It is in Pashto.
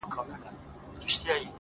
o ورته ښېراوي هر ماښام كومه،